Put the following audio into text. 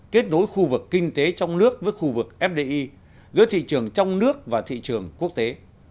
kết nối khu vực kinh tế trong nước với khu vực fdi giữa thị trường trong nước và thị trường quốc tế